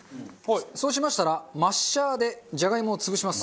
そうしましたらマッシャーでジャガイモを潰します。